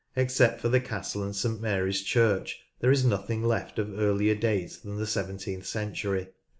Except for the Castle and St Mary's church there is nothing left of earlier date than the seventeenth century.